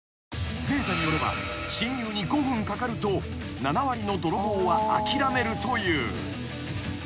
［データによれば侵入に５分かかると７割の泥棒は諦めるという］